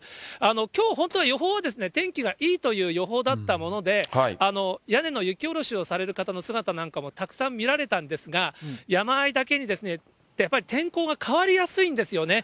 きょう、本当は予報は天気がいいという予報だったもので、屋根の雪下ろしをされる方の姿なんかもたくさん見られたんですが、山あいだけに、やっぱり天候が変わりやすいんですよね。